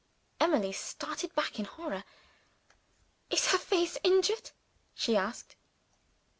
Emily started back in horror. "Is her face injured?" she asked.